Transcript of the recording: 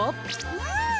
うん！